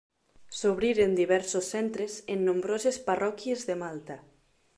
S'obriren diversos centres en nombroses parròquies de Malta.